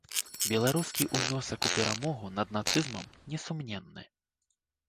Беларускі ўнёсак у перамогу над нацызмам несумненны.